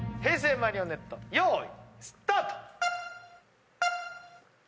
マリオネットよーいスタート！